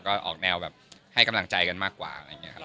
ก็ออกแนวแบบให้กำลังใจกันมากกว่าอะไรอย่างนี้ครับ